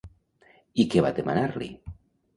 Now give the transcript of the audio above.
I què va demanar-li?